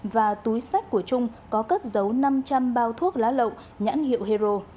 và túi sách của trung có cất dấu năm trăm linh bao thuốc lá lậu nhãn hiệu hero